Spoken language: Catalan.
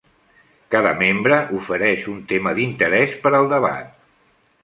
Cada membre ofereix un tema d'interès per al debat.